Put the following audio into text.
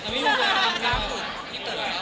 มีบางคนอยากเล่นข้าว